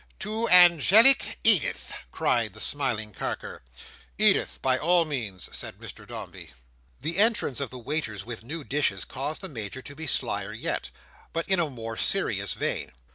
"To angelic Edith!" cried the smiling Carker. "Edith, by all means," said Mr Dombey. The entrance of the waiters with new dishes caused the Major to be slyer yet, but in a more serious vein.